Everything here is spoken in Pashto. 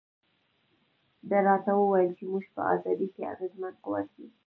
ده راته وویل چې موږ په ازادۍ کې اغېزمن قوت یو.